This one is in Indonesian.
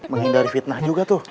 menghindari fitnah juga tuh